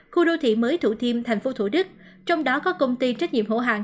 khu đô thị mới thủ thiêm thành phố thủ đức trong đó có công ty trách nhiệm hữu hạng